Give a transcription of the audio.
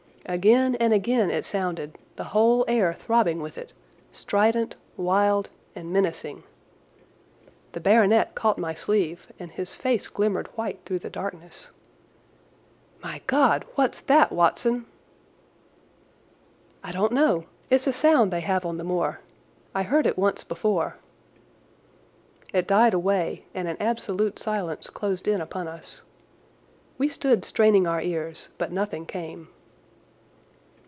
Again and again it sounded, the whole air throbbing with it, strident, wild, and menacing. The baronet caught my sleeve and his face glimmered white through the darkness. "My God, what's that, Watson?" "I don't know. It's a sound they have on the moor. I heard it once before." It died away, and an absolute silence closed in upon us. We stood straining our ears, but nothing came.